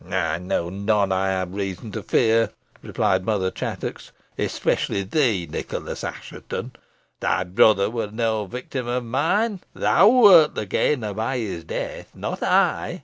"I know none I have reason to fear," replied Mother Chattox; "especially thee, Nicholas Assheton. Thy brother was no victim of mine. Thou wert the gainer by his death, not I.